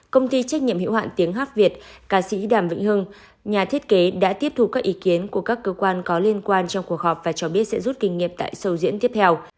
công ty trách nhiệm hiệu hạn tiếng hát việt ca sĩ đàm vĩnh hưng nhà thiết kế đã tiếp thu các ý kiến của các cơ quan có liên quan trong cuộc họp và cho biết sẽ rút kinh nghiệm tại sâu diễn tiếp theo